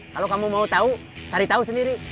kalau kamu mau tahu cari tahu sendiri